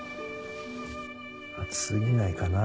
熱すぎないかな？